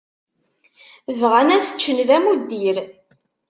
Bɣan ad t-ččen d amuddir.